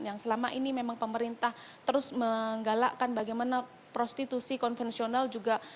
yang selama ini memang pemerintah terus menggalakkan bagaimana prostitusi konvensional juga